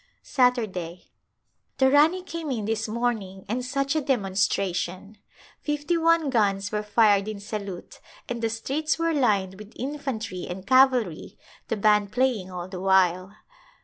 Saturday, The Rani came in this morning and such a dem onstration ! Fifty one guns were fired in salute and the streets were lined with infantry and cavalry, the band playing all the while.